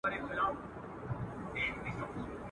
شیخه څنګه ستا د حورو کیسې واورم.